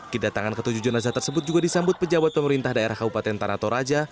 kedatangan ketujuh jenazah tersebut juga disambut pejabat pemerintah daerah kabupaten tanah toraja